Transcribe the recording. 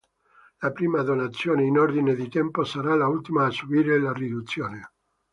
La prima donazione in ordine di tempo sarà l'ultima a subire la riduzione.